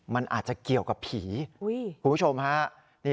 มันอาจจะเกี่ยวกับผีคุณผู้ชมฮะ